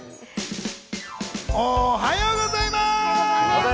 おはようございます！